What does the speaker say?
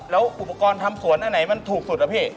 แล้วอุปกรณ์ทำสวนอันไหนมันถูกสุดอะพี่